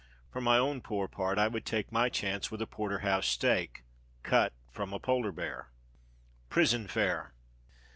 For my own poor part, I would take my chance with a Porterhouse steak, cut from a Polar bear. _Prison Fare.